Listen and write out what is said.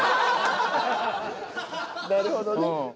なるほどね。